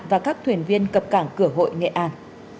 và các thuyền viên cập cảng cửa hội nghệ an